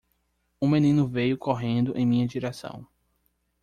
Um menino veio correndo em minha direção.